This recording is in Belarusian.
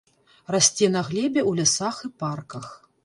Расце на глебе ў лясах і парках.